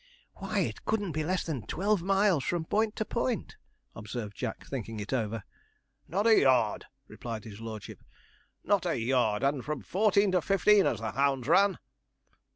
'Why, it couldn't be less than twelve miles from point to point,' observed Jack, thinking it over. 'Not a yard,' replied his lordship, 'not a yard, and from fourteen to fifteen as the hounds ran.'